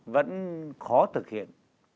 vẫn khó thực hiện